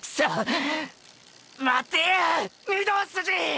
待てや御堂筋！！